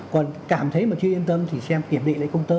còn cảm thấy mà chưa yên tâm thì xem kiểm định lại công tơ